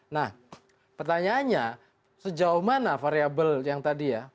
nah pertanyaannya sejauh mana variable yang tadi ya